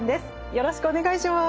よろしくお願いします。